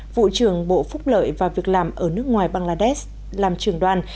vụ trưởng bộ phúc lợi và việc làm ở nước ngoài bangladesh làm trưởng đoàn